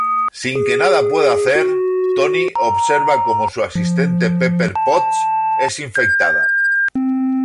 Sin que nada pueda hacer, Tony observa como su asistente Pepper Potts es infectada.